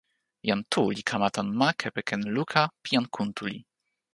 jan Tu li kama tan ma kepeken luka pi jan Kuntuli.